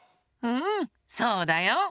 うんそうだよ。